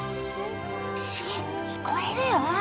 シッ聞こえるよ。